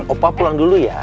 opa pulang dulu ya